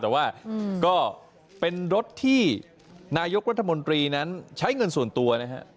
แต่ว่าก็เป็นรถที่นายกรัฐมนตรีนั้นใช้เงินส่วนตัวนะฮะ